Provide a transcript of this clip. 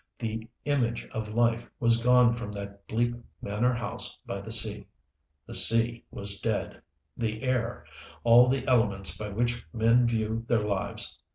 The image of life was gone from that bleak manor house by the sea the sea was dead, the air, all the elements by which men view their lives.